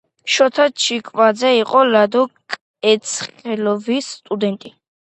შოთა ჩიკვაიძე იყო ლადო კეცხოველის სტუდენტი.